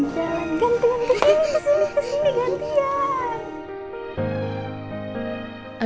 gantian gantian kesini kesini gantian